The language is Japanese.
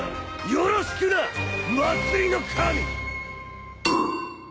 よろしくな祭りの神。